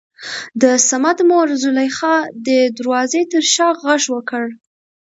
دصمد مور زليخا دې دروازې تر شا غږ وکړ.